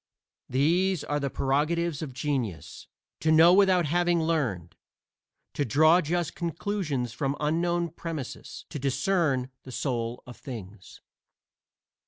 These are the prerogatives of genius: To know without having learned; to draw just conclusions from unknown premises; to discern the soul of things.